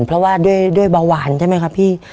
เพราะว่าด้วยเบาหวานใช่ไหมครับพี่